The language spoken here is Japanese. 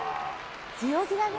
強気だね。